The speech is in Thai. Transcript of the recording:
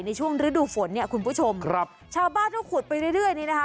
ในช่วงฤดูฝนเนี่ยคุณผู้ชมครับชาวบ้านก็ขุดไปเรื่อยนี่นะคะ